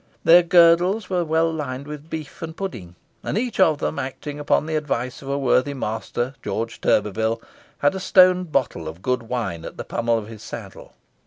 Their girdles were well lined with beef and pudding, and each of them, acting upon the advice of worthy Master George Turbervile, had a stone bottle of good wine at the pummel of his saddle.